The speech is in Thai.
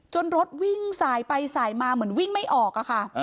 รถวิ่งสายไปสายมาเหมือนวิ่งไม่ออกอะค่ะ